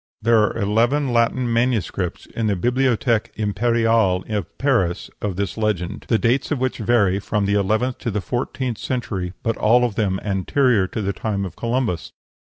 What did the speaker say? There are eleven Latin MSS. in the Bibliothèque Impériale at Paris of this legend, the dates of which vary from the eleventh to the fourteenth century, but all of them anterior to the time of Columbus.